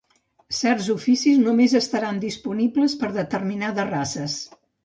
Certs oficis només estaran disponibles per a determinades races.